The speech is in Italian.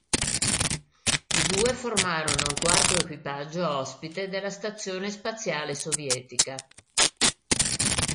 I due formarono il quarto equipaggio ospite della stazione spaziale sovietica.